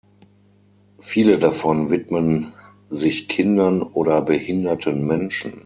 Viele davon widmen sich Kindern oder behinderten Menschen.